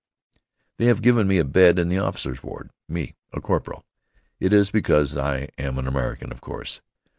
They have given me a bed in the officers' ward me, a corporal. It is because I am an American, of course.